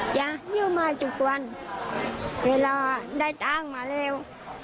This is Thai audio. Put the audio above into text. อยู่มาทุกวันเวลาได้ตังค์มาเร็ว